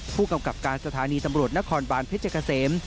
ผู้กำกับการสถานีตำรวจนครบานเพชรเกษม